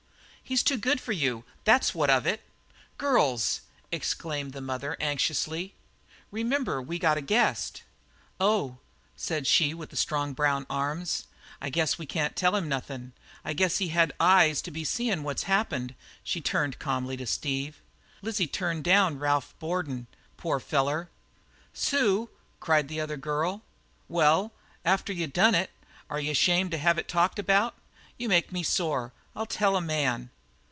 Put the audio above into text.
"He's too good for you, that's what of it." "Girls!" exclaimed the mother anxiously. "Remember we got a guest!" "Oh," said she of the strong brown arms, "I guess we can't tell him nothin'; I guess he had eyes to be seein' what's happened." She turned calmly to Steve. "Lizzie turned down Ralph Boardman poor feller!" "Sue!" cried the other girl. "Well, after you done it, are you ashamed to have it talked about? You make me sore, I'll tell a man!"